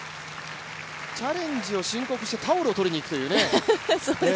チャレンジを申告してタオルを取りに行くというね。